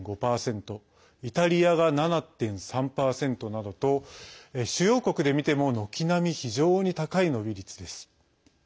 イタリアが７．３％などと主要国で見ても軒並み非常に高い伸び率です。